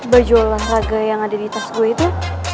baju olahraga yang ada di tas gue itu